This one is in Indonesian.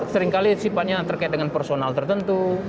seringkali sifatnya terkait dengan personal tertentu